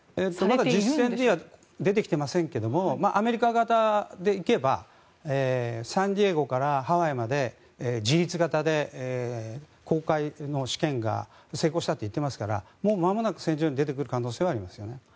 まだ実戦には出てきていませんがアメリカ型で行けばサンディエゴからハワイまで自律型で航海の試験が成功したと言っていますからまもなく戦場に出てくる可能性はあります。